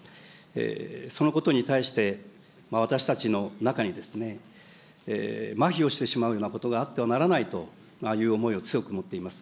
そのことに対して、私たちの中にですね、まひをしてしまうようなことはあってはならないという思いを強く持っています。